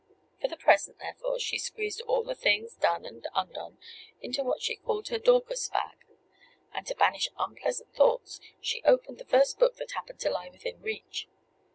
For the present, therefore, she squeezed all the things, done and undone, into what she called her "Dorcas bag;" and to banish unpleasant thoughts, she opened the first book that happened to lie within reach.